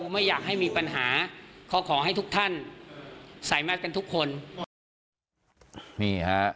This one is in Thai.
ไม่อยากให้มีปัญหาเขาขอให้ทุกท่านสามารถกันทุกคนนี่ฮะ